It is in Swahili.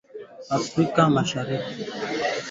Bya ku landana tena atubi pende uku